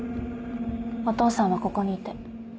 お父さんはここにいて。